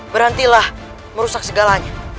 berhentilah merusak segalanya